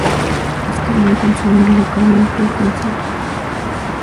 Es común consumirlo caliente y con sal.